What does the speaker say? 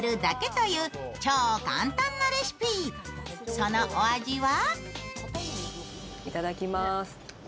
そのお味は？